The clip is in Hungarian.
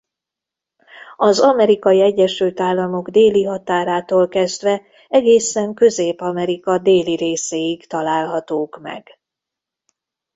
Az Amerikai Egyesült Államok déli határától kezdve egészen Közép-Amerika déli részéig találhatók meg.